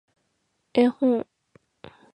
絵本